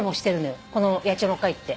この野鳥の会って。